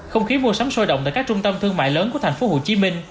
không khí mua sắm sôi động tại các trung tâm thương mại lớn của tp hcm